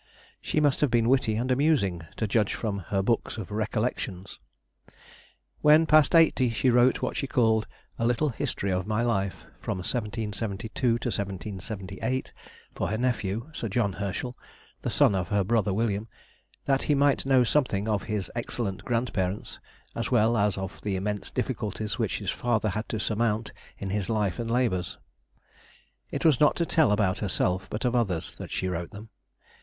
She must have been witty and amusing, to judge from her books of "Recollections." When past eighty, she wrote what she called "a little history of my life from 1772 1778" for her nephew, Sir John Herschel, the son of her brother William, that he might know something of his excellent grandparents, as well as of the immense difficulties which his father had to surmount in his life and labours. It was not to tell about herself, but of others, that she wrote them.